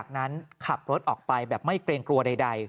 นั้นขับรถออกไปแบบไม่เกรงกลัวใด